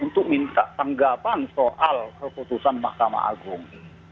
tidak tanggapan soal keputusan mahkamah agung